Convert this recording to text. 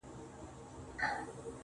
چي خپلي سپيني او رڼې اوښـكي يې.